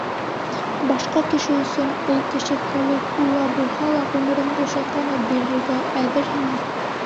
Башҡа кеше өсөн, ул кеше Калигула булһа ла, ғүмереңде шатланып бирергә әҙерһеңме?